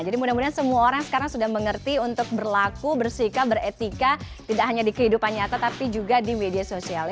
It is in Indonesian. jadi mudah mudahan semua orang sekarang sudah mengerti untuk berlaku bersikap beretika tidak hanya di kehidupan nyata tapi juga di media sosial ya